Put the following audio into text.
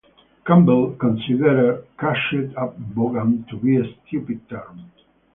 Campbell considered "cashed-up bogan" to be a "stupid term".